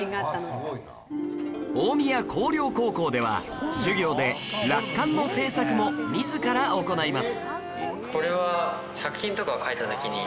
大宮光陵高校では授業で落款の制作も自ら行います